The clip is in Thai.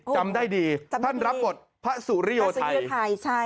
จำได้ดีท่านรับบทพสูริยไทย